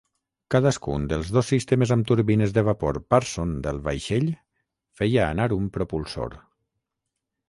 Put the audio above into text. Cadascun dels dos sistemes amb turbines de vapor Parson del vaixell feia anar un propulsor.